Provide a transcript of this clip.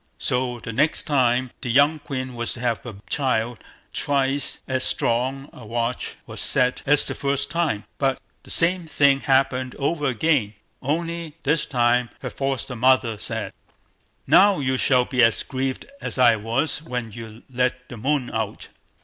So the next time the young queen was to have a child, twice as strong a watch was set as the first time, but the same thing happened over again, only this time her foster mother said: "Now you shall be as grieved as I was when you let the moon out."